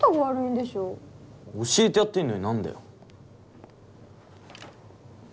教えてやってんのに何だよ。